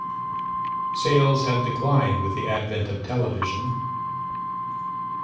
Sales had declined with the advent of television.